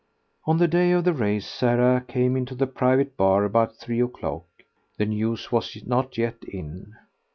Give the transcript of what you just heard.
On the day of the race Sarah came into the private bar about three o'clock. The news was not yet in.